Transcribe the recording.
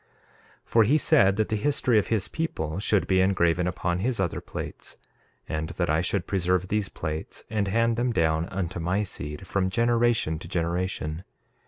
1:3 For he said that the history of his people should be engraven upon his other plates, and that I should preserve these plates and hand them down unto my seed, from generation to generation.